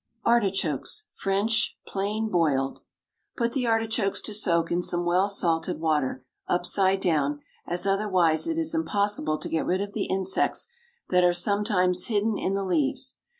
ARTICHOKES, FRENCH, PLAIN BOILED. Put the artichokes to soak in some well salted water, upside down, as otherwise it is impossible to get rid of the insects that are sometimes hidden in the leaves.